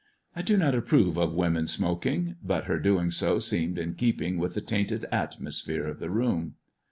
I do not approve of women smoking, but her doing so seemed in keeping with the tainted atmosphere of the room.